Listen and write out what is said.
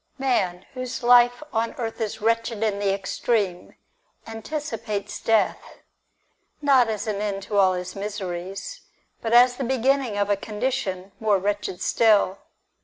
Man, whose life on earth is wretched in the extreme, antici pates death, not as an end to all his miseries, but as the beginning of a condition more wretched still.